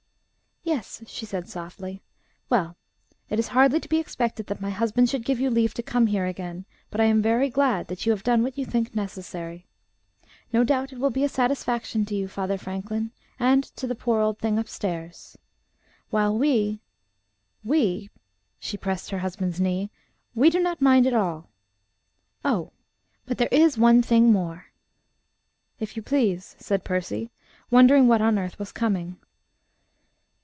"Yes," she said softly. "Well, it is hardly to be expected that my husband should give you leave to come here again. But I am very glad that you have done what you think necessary. No doubt it will be a satisfaction to you, Father Franklin, and to the poor old thing upstairs, too. While we we " she pressed her husband's knee "we do not mind at all. Oh! but there is one thing more." "If you please," said Percy, wondering what on earth was coming.